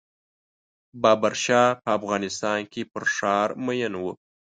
بابر شاه په افغانستان کې پر ښار مین و.